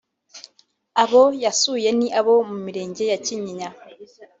Abo yasuye ni abo mu mirenge ya Kinyinya